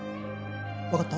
分かった？